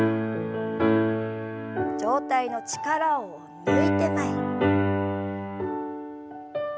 上体の力を抜いて前に。